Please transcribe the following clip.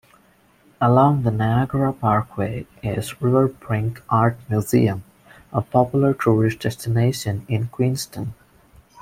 Along the Niagara Parkway is RiverBrink Art Museum, a popular tourist destination in Queenston.